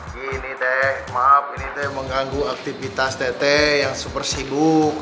gini teh maaf ini teh mengganggu aktivitas tete yang supersibuk